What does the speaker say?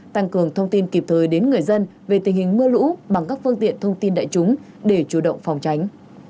tăng cường thông tin kịp thời đến người dân về tình hình mưa lũ bằng các phương tiện thông tin đại chúng để chủ động phòng tránh